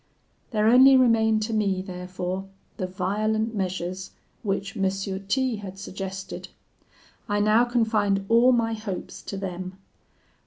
"There only remained to me, therefore, the violent measures which M. T had suggested. I now confined all my hopes to them.